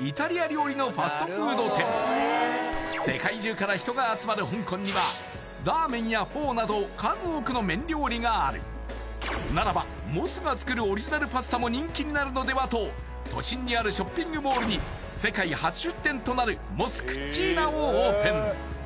イタリア料理のファストフード店世界中から人が集まる香港にはラーメンやフォーなど数多くの麺料理があるならばモスが作るオリジナルパスタも人気になるのではと都心にあるショッピングモールに世界初出店となるモスクッチーナをオープン